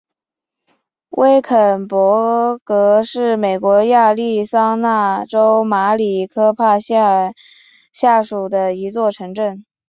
威肯勃格是美国亚利桑那州马里科帕县下属的一座城镇。